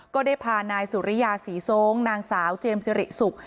ก็ได้พานายสุริยาศรีทรงนางสาวเจมส์สิริสุข